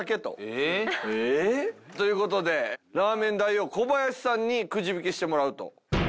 え？ということでラーメン大王小林さんにくじ引きしてもらうと。